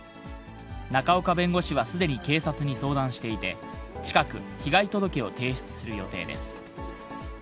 仲岡弁護士はすでに警察に相談していて、近く、被害届を提出する予定です。